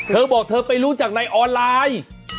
เธอบอกเธอไปรู้จักในออนไลน์